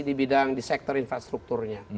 di bidang di sektor infrastrukturnya